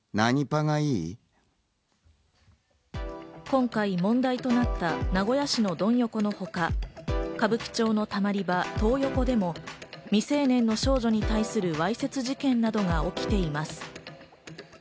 今回、問題となった名古屋市のドン横のほか、歌舞伎町のたまり場トー横でも未成年の少女に対するわいせつ事件などが起きています。